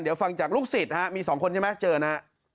เดี๋ยวฟังจากลูกศิษย์มี๒คนใช่ไหมเจอนะฮะ